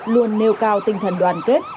luôn nêu cao tinh thần đoàn kết